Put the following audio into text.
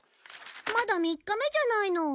まだ３日目じゃないの。